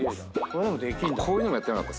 こういうのもやってなかった？